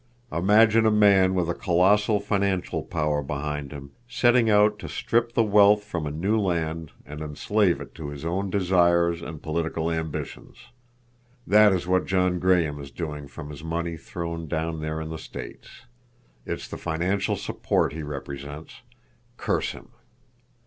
Imagine a man with a colossal financial power behind him, setting out to strip the wealth from a new land and enslave it to his own desires and political ambitions. That is what John Graham is doing from his money throne down there in the States. It's the financial support he represents, curse him!